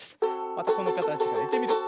またこのかたちからいってみるよ。